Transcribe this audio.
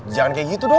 jangan kayak gitu dong